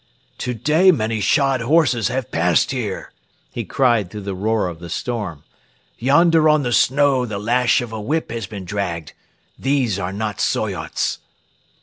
"Today many shod horses have passed here!" he cried through the roar of the storm. "Yonder on the snow the lash of a whip has been dragged. These are not Soyots."